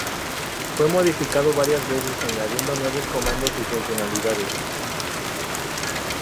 Fue modificado varias veces, añadiendo nuevos comandos y funcionalidades.